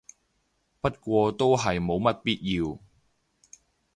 不過都係冇乜必要